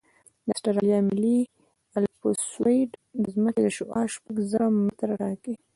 د اسټرالیا ملي الپسویډ د ځمکې شعاع شپږ زره متره ټاکي